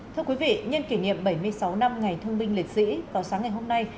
thưa quý vị nhân kỷ niệm bảy mươi sáu năm ngày thương binh liệt sĩ vào sáng ngày hôm nay